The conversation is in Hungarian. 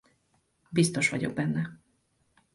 Biztos vagyok benne.